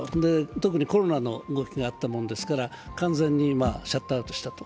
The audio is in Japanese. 特にコロナの動きがあったもんですから完全にシャットアウトしたと。